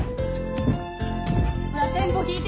ほらテンポ聴いて。